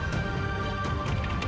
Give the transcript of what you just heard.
bahan hidup dari kita